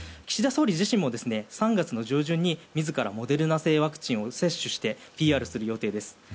岸田総理自身も３月の上旬に、自らモデルナ製ワクチンを接種してＰＲする予定です。